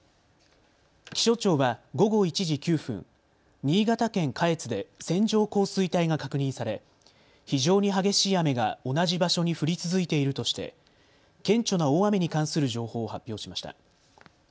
気象庁は午後１時９分、新潟県下越で線状降水帯が確認され非常に激しい雨が同じ場所に降り続いているとして顕著な大雨に関する情報を発表しました。